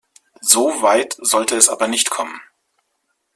So weit sollte es aber nicht kommen.